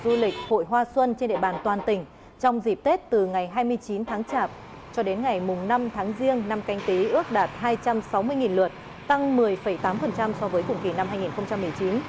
du lịch hội hoa xuân trên địa bàn toàn tỉnh trong dịp tết từ ngày hai mươi chín tháng chạp cho đến ngày năm tháng riêng năm canh tí ước đạt hai trăm sáu mươi lượt tăng một mươi tám so với cùng kỳ năm hai nghìn một mươi chín